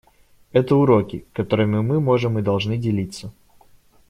Это уроки, которыми мы можем и должны делиться.